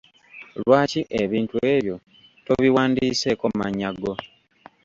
Lwaki ebintu ebyo tobiwandiiseeko mannya go.